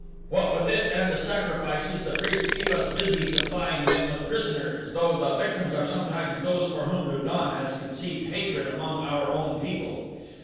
"What with it and the sacrifices, the priests keep us busy supplying them with prisoners, though the victims are sometimes those for whom Lu don has conceived hatred among our own people.